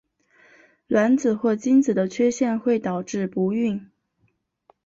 卵子或精子的缺陷会导致不育。